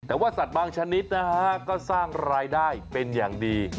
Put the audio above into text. แต่ว่าสัตว์บางชนิดนะฮะก็สร้างรายได้เป็นอย่างดี